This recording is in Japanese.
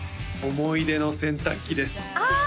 思い出の洗濯機ですあ！